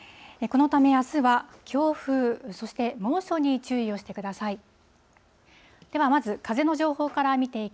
このため、あすは強風、そして猛暑に注意をしてください。